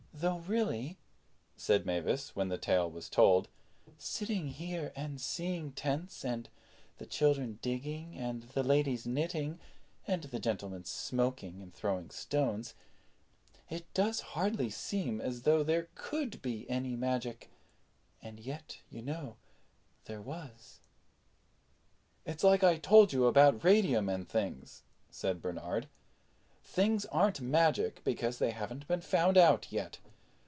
"Though really," said Mavis, when the tale was told, "sitting here and seeing the tents and the children digging, and the ladies knitting, and the gentlemen smoking and throwing stones, it does hardly seem as though there could be any magic. And yet, you know, there was." "It's like I told you about radium and things," said Bernard. "Things aren't magic because they haven't been found out yet.